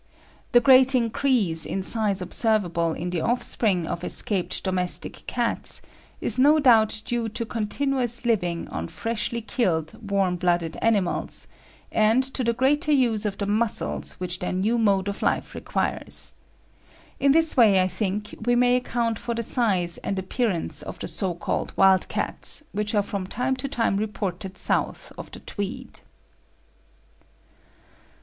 The great increase in size observable in the offspring of escaped domestic cats is no doubt due to continuous living on freshly killed, warm blooded animals, and to the greater use of the muscles which their new mode of life requires. In this way I think we may account for the size and appearance of the so called 'wild cats' which are from time to time reported south of the Tweed.